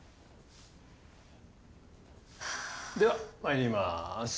ではまいります。